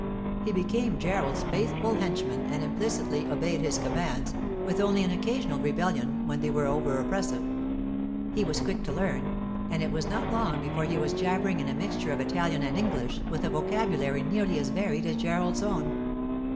He became Gerald's faithful henchman and implicitly obeyed his commands, with only an occasional rebellion when they were over oppressive. He was quick to learn, and it was not long before he was jabbering in a mixture of Italian and English with a vocabulary nearly as varied as Gerald's own.